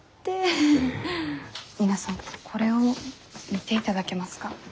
皆さんこれを見ていただけますか？